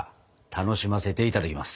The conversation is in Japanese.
楽しませていただきます。